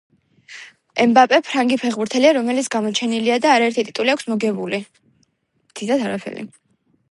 მბაპე ფრანგი ფეღბურთელია რომეიც გამოჩენილია და არაერთი ტიტული აქვს მოგებული